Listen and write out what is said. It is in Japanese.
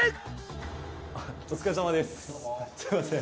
すいません。